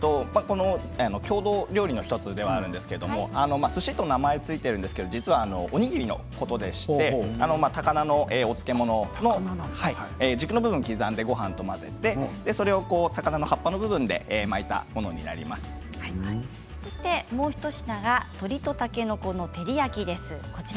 郷土料理の１つではあるんですけどすしと名前が付いているんですが実は、おにぎりのことでして高菜のお漬物軸の部分を刻んでごはんと混ぜてそれを高菜の葉っぱの部分でもう一品が鶏とたけのこの照り焼きです。